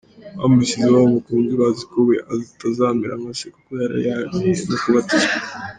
Bamushyizeho bamukunze bazi ko we atazamera nka se, kuko yari yemeye no kubatizwa.